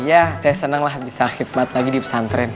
ya saya senang lah bisa khidmat lagi di pesantren